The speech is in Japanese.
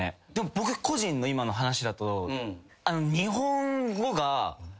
僕個人の今の話だと。